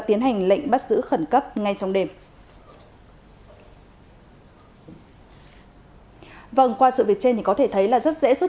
tiến hành lệnh bắt giữ khẩn cấp ngay trong đêm vâng qua sự việc trên thì có thể thấy là rất dễ xuất